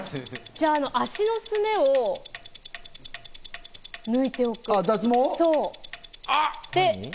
じゃあ、足のすねを抜いてお脱毛？